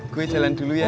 gue jalan dulu ya